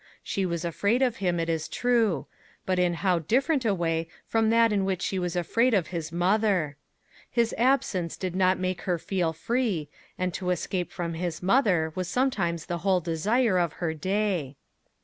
She was afraid of him, it is true; but in how different a way from that in which she was afraid of his mother! His absence did not make her feel free, and to escape from his mother was sometimes the whole desire of her day.